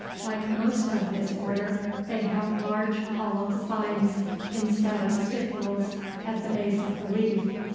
Like most of this order, they have large hollow spines instead of stipules at the base of the leaf.